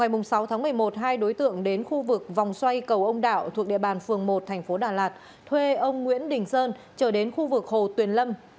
ngày sáu tháng một mươi một hai đối tượng đến khu vực vòng xoay cầu ông đạo thuộc địa bàn phường một thành phố đà lạt thuê ông nguyễn đình sơn trở đến khu vực hồ tuyền lâm